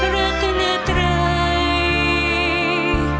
รักตัวหน้าไตร